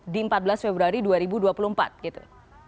di empat belas februari dua ribu dua puluh empat gitu